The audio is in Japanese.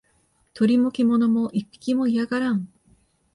鳥も獣も一匹も居やがらん